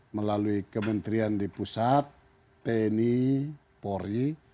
melalui kementerian di pusat tni polri